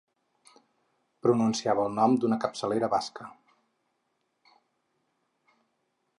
Pronunciava el nom d'una capçalera basca.